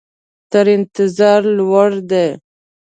تر انتظار لوړ دي.